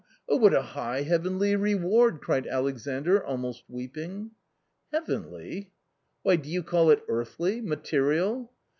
oh, what a high heavenly reward !" cried Alexandr almost weeping. " Heavenly !"" Why, do you call it earthly, material